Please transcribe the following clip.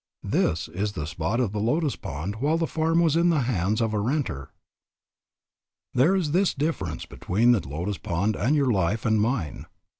This is the spot of the lotus pond while the farm was in the hands of a renter. There is this difference between the lotus pond and your life and mine.